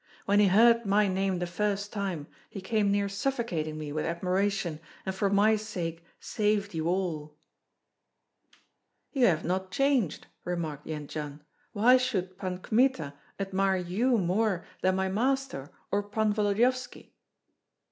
When he heard my name the first time, he came near suffocating me with admiration, and for my sake saved you all." "You have not changed," remarked Jendzian; "why should Pan Kmita admire you more than my master or Pan Volodyovski?"